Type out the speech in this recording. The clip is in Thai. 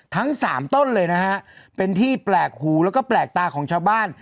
ทั้งสามต้นเลยนะฮะเป็นที่แปลกหูแล้วก็แปลกตาของชาวบ้าน